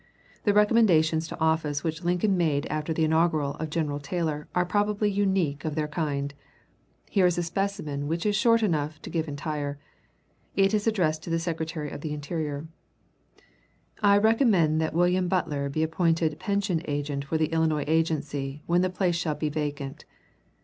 The recommendations to office which Lincoln made after the inauguration of General Taylor are probably unique of their kind. Here is a specimen which is short enough to give entire. It is addressed to the Secretary of the Interior: "I recommend that William Butler be appointed Pension Agent for the Illinois agency when the place shall be vacant.